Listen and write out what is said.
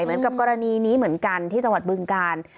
เหมือนกับกรณีนี้เหมือนกันที่จังหวัดบึงกาล